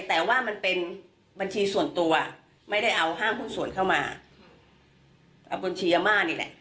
แต่ว่ามันเป็นบัญชีส่วนตัวไม่ได้เอาห้างหุ้นส่วนเข้ามาเอาบัญชียาม่านี่แหละ